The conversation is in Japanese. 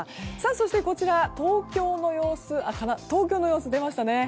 そしてこちら東京の様子出ましたね。